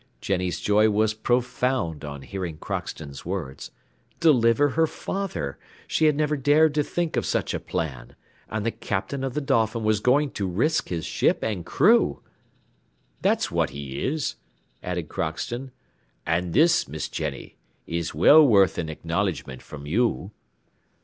Jenny's joy was profound on hearing Crockston's words. Deliver her father! She had never dared to think of such a plan, and the Captain of the Dolphin was going to risk his ship and crew! "That's what he is," added Crockston; "and this, Miss Jenny, is well worth an acknowledgment from you."